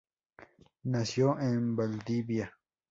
Nació en Valdivia.